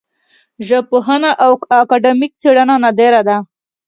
ژبپوهنه او اکاډمیک څېړنه نادره ده